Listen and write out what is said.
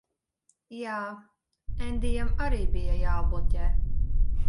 Jā. Endijam arī bija jābloķē.